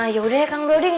yaudah ya kang broding